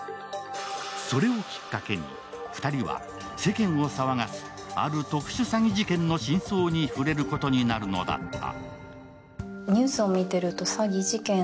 それをきっかけに２人は世間を騒がすある特殊詐欺事件の真相に触れることになるのだった。